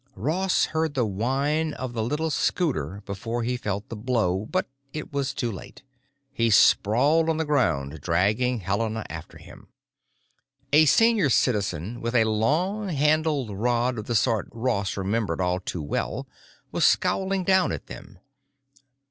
Ross heard the whine of the little scooter before he felt the blow, but it was too late. He sprawled on the ground, dragging Helena after him. A Senior Citizen with a long handled rod of the sort Ross remembered all too well was scowling down at them.